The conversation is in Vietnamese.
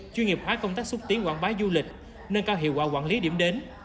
chuyên nghiệp hóa công tác xúc tiến quảng bá du lịch nâng cao hiệu quả quản lý điểm đến